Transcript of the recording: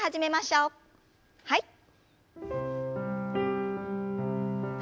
はい。